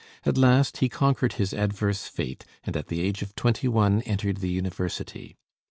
At last he conquered his adverse fate, and at the age of twenty one entered the University.